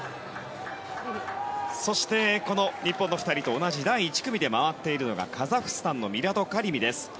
そして、日本の２人と同じ第１組で回っているのがカザフスタンのミラド・カリミです。